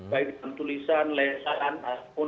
baik dengan tulisan leh salan as pun